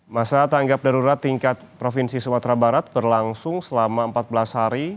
masa tanggap darurat tingkat provinsi sumatera barat berlangsung selama empat belas hari